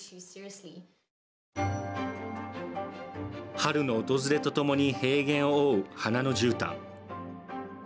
春の訪れとともに平原を覆う花のじゅうたん。